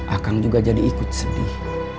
akang juga jadi ikut sedih